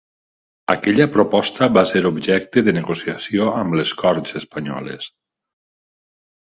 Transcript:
Aquella proposta va ser objecte de negociació amb les Corts espanyoles.